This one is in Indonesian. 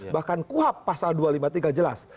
bahkan kuhab pasal dua ratus lima puluh tiga jelas